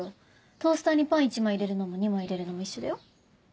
トースターにパン１枚入れるのも２枚入れるのも一緒だよ。